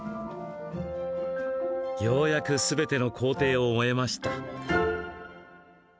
ようやくすべての工程を終えました。